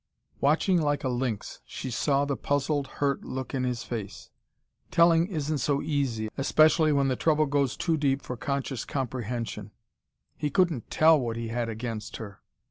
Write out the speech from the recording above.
Watching like a lynx, she saw the puzzled, hurt look in his face. Telling isn't so easy especially when the trouble goes too deep for conscious comprehension. He couldn't tell what he had against her.